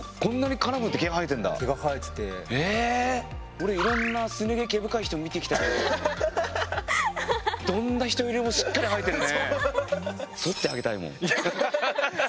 俺いろんなすね毛毛深い人見てきたけどどんな人よりもしっかり生えてるね。